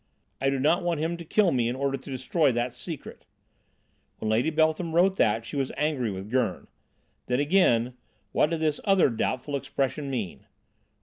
'I do not want him to kill me in order to destroy that secret'! When Lady Beltham wrote that she was angry with Gurn. Then again what did this other doubtful expression mean?